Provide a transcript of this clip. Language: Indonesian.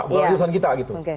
bukan urusan kita gitu